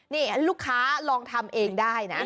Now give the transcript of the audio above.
นี่ลูกค้าลองทำเองได้นะ